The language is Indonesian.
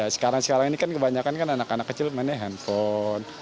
sekarang sekarang ini kan kebanyakan kan anak anak kecil mainnya handphone